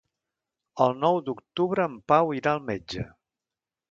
El nou d'octubre en Pau irà al metge.